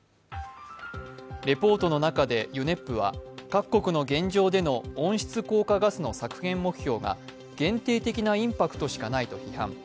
レポートの中でＵＮＥＰは各国の現状での温室効果ガスの削減目標が限定的なインパクトしかないと批判。